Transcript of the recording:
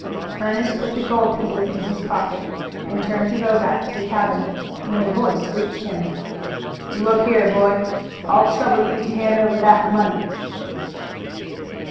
Ernest put the gold pieces in his pocket and turned to go back to the cabin, when a voice reached him. "Look here, boy, I'll trouble you to hand over that money!"